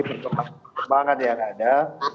perkembangan yang ada